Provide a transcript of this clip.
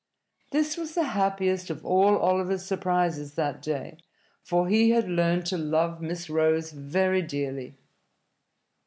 This was the happiest of all Oliver's surprises that day, for he had learned to love Miss Rose very dearly.